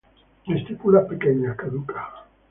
Estípulas pequeñas, caducas.